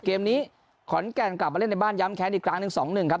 เกมนี้ขอนแก่นกลับมาเล่นในบ้านย้ำแค้นอีกครั้งหนึ่ง๒๑ครับ